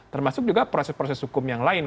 termasuk juga proses proses hukum yang lain